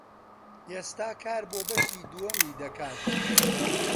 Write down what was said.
ئێستا کار بۆ بەشی دووەمی دەکات.